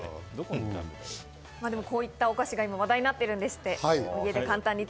こういったお菓子が今、話題になってるんですって。